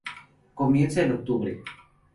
Comienza en octubre.